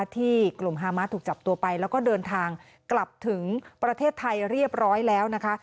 ที่กลุ่มฮามาสถูกจับตัวไปแล้วก็เดินทางกลับถึงประเทศไทยเรียบร้อยแล้วนะคะ